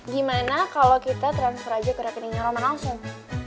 gimana kalau kita transfer aja ke rekeningnya roman langsung